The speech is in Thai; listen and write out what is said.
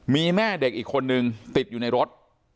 มีแม่เด็กอีกคนนึงติดอยู่ในรถ